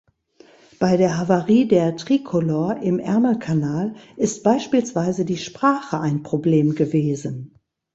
Bei der Havarie der Tricolor im Ärmelkanal ist beispielsweise die Sprache ein Problem gewesen.